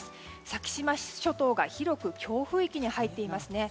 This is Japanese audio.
先島諸島が広く強風域に入っていますね。